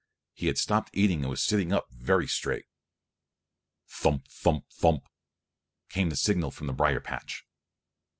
He had stopped eating and was sitting up very straight. "Thump, thump, thump!" came the signal from the brier patch.